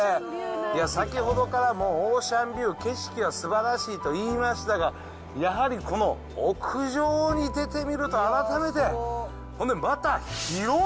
いや、先ほどからもう、オーシャンビュー、景色はすばらしいと言いましたが、やはりこの屋上に出てみると改めて、ほんでまた広い。